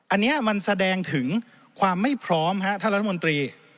อันนี้มันแสดงถึงความไม่พร้อมท่านรัฐมนตรี